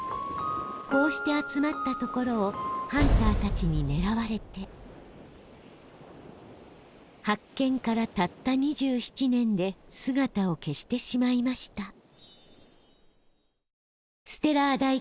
こうして集まったところをハンターたちにねらわれて発見からたった２７年で姿を消してしまいました